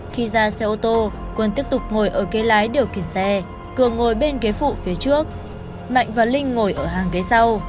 khi ra xe ô tô quân tiếp tục ngồi ở kế lái điều khiển xe cường ngồi bên ghế phụ phía trước mạnh và linh ngồi ở hàng ghế sau